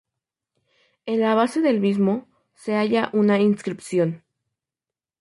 En la base del mismo, se halla una inscripción.